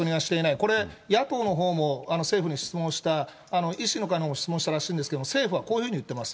これ、野党のほうも政府に質問した、医師の会のほうが質問したらしいんですが、政府はこういうふうに言っています。